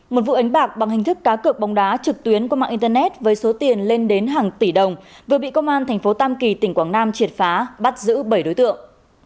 một vụ đánh bạc bằng hình thức cá cược bóng đá trực tuyến qua mạng internet với số tiền lên đến hàng tỷ đồng vừa bị công an tp tam kỳ tỉnh quảng nam triệt phá bắt giữ bảy đối tượng